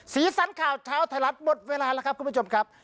สีสันข่าวเช้าไทยรัฐหมดเวลาแล้วครับคุณผู้ชมครับ